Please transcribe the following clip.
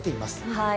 はい。